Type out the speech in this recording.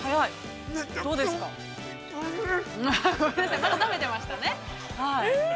まだ食べてましたね。